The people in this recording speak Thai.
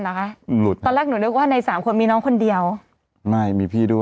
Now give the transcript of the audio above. อืมหลุดตอนแรกหนูนึกว่าในสามคนมีน้องคนเดียวไม่มีพี่ด้วย